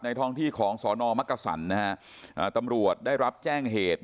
ท้องที่ของสอนอมักกษันนะฮะตำรวจได้รับแจ้งเหตุ